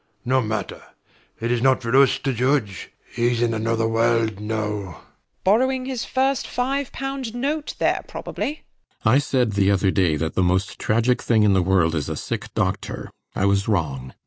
No matter: its not for us to judge. Hes in another world now. WALPOLE. Borrowing his first five pound note there, probably. RIDGEON. I said the other day that the most tragic thing in the world is a sick doctor. I was wrong.